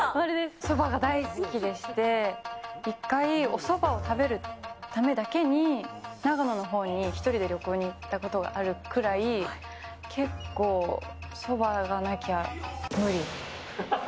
そばが大好きでして、一回、おそばを食べるためだけに、長野のほうに１人で旅行に行ったことがあるくらい、結構、そばがなきゃ無理。